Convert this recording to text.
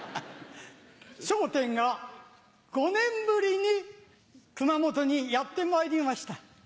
笑点が５年ぶりに熊本にやってまいりました。